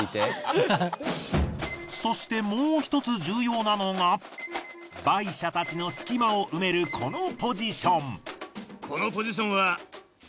そしてもう１つ重要なのがバイシャたちの隙間を埋めるこのポジション。